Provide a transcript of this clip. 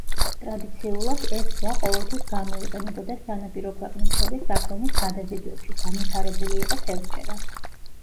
ტრადიციულად, ეს ზღვა ყოველთვის გამოიყენებოდა სანაპირო ქვეყნებს შორის საქონლის გადაზიდვებში, განვითარებული იყო თევზჭერა.